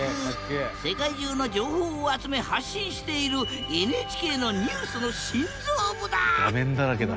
世界中の情報を集め発信しているＮＨＫのニュースの心臓部だ！